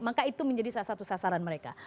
maka itu menjadi salah satu sasaran mereka